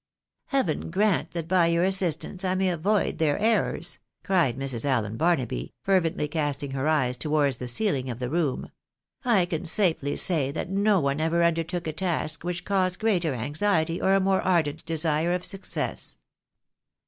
" Heaven grant that by your assistance I may avoid their errors !" cried Mrs. Allen Barnaby, fervently casting her eyes towards the ceiling of the room. " I can safely say that no one ever undertook a task which caused greater anxiety, or a more ardent desire of success."